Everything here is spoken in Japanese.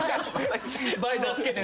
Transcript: バイザーつけて。